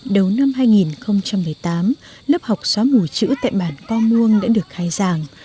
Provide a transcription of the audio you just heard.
đầu năm hai nghìn một mươi tám lớp học xóa mù chữ tại bản co muông đã được khai giảng